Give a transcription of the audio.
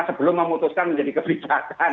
sebelum memutuskan menjadi kebijakan